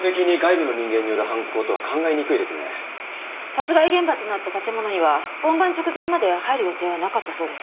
殺害現場となった建物には本番直前まで入る予定はなかったそうです。